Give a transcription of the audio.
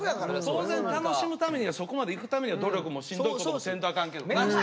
当然楽しむためにはそこまで行くためには努力もしんどいこともせんとアカンけどね。